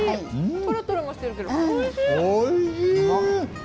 とろとろもしているけどおいしい。